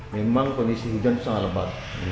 memang kondisi hujan sangat lebat